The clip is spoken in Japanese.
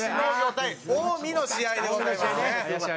対近江の試合でございます。